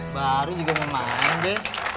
baru juga mau main be